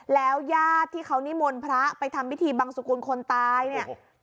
แล้วญาติที่เขานิมนต์พระไปทำพิธีบังสุกุลคนตายเนี่ย